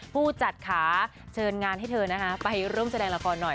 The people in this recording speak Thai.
ผู้จัดขาเชิญงานให้เธอนะคะไปร่วมแสดงละครหน่อย